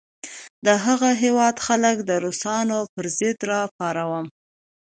د هغه هیواد خلک د روسانو پر ضد را پاروم.